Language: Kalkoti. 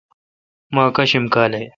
مہ اکاشم کالہ۔